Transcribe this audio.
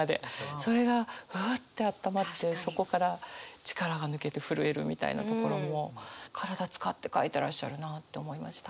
それがうってあったまってそこから力が抜けて震えるみたいなところも体使って書いてらっしゃるなって思いました。